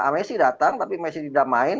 messi datang tapi messi tidak main